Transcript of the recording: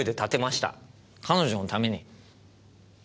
彼女のために。